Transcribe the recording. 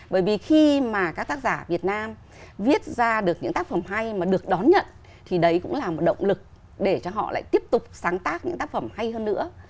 bởi vì khi mà các tác giả việt nam viết ra được những tác phẩm hay mà được đón nhận thì đấy cũng là một động lực để cho họ lại tiếp tục sáng tác những tác phẩm hay hơn nữa